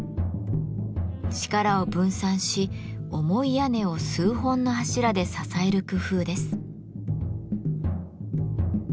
力を分散し重い屋根を数本の柱で支える工夫です。